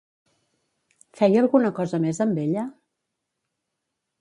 Feia alguna cosa més amb ella?